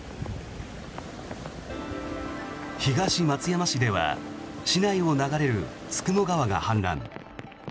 東松山市では市内を流れる九十九川が氾濫。